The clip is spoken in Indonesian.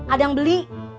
ada yang beli